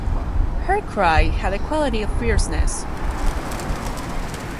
Her cry had a quality of fierceness.